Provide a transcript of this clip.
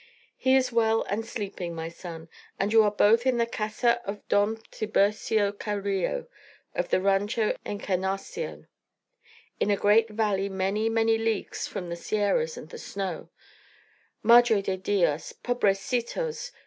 "He is well and sleeping, my son, and you are both in the Casa of Don Tiburcio Carillo, of the Rancho Encarnarcion, in a great valley many, many leagues from the Sierras and the snow Madre de dios! Pobrecitos!